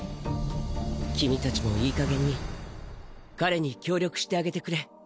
君達もいい加減に彼に協力してあげてくれ。